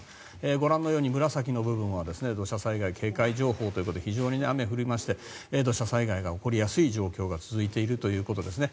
ご覧のように紫の部分は土砂災害警戒情報ということで非常に雨、降りまして土砂災害が起こりやすい状況が続いているということですね。